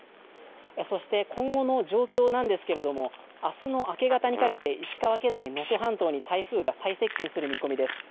そして、今後の状況なんですが明日の明け方にかけて石川県内、能登半島に台風が最接近する見込みです。